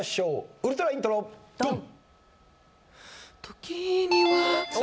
ウルトライントロドン！